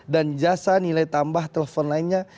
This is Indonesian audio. dan jasa nilai tambah telepon lainnya